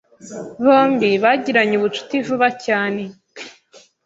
Bombi bagiranye ubucuti vuba cyane.